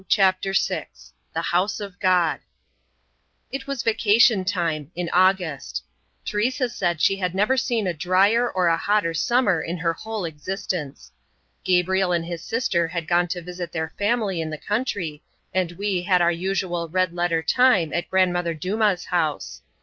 CHAPTER SIX THE HOUSE OF GOD It was vacation time in August. Teresa said she had never seen a dryer or a hotter summer in her whole existence. Gabriel and his sister had gone to visit their family in the country and we had our usual "red letter" time at Grandmother Dumas' house.